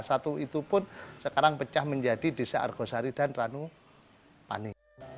satu itu pun sekarang pecah menjadi desa argosari dan ranupane